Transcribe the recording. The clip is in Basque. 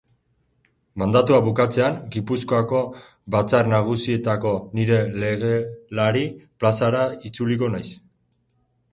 Mandatua bukatzean Gipuzkoako Batzar Nagusietako nire legelari plazara itzuliko naiz.